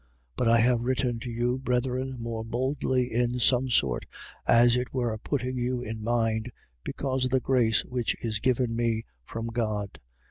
15:15. But I have written to you, brethren, more boldly in some sort, as it were putting you in mind, because of the grace which is given me from God, 15:16.